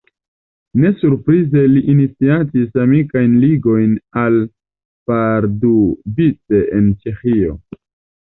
Ne surprize li iniciatis amikajn ligojn al Pardubice en Ĉeĥio.